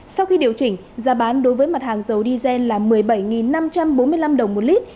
sau khi điều chỉnh giá bán đối với mặt hàng dầu diesel là một mươi bảy năm trăm bốn mươi năm đồng một lít